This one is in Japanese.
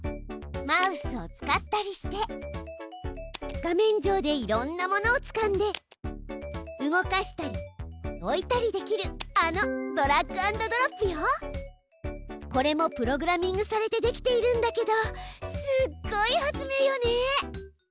マウスを使ったりして画面上でいろんなものをつかんで動かしたり置いたりできるあのこれもプログラミングされてできているんだけどすごい発明よね！